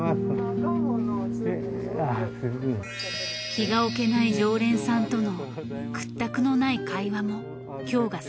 気が置けない常連さんとの屈託のない会話も今日が最後です。